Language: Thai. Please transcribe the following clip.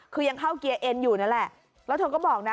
คือยังเข้าเกียร์เอ็นอยู่นั่นแหละแล้วเธอก็บอกนะ